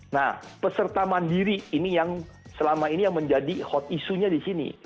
nah peserta mandiri ini yang selama ini yang menjadi hot isunya di sini